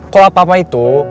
kok apa apa itu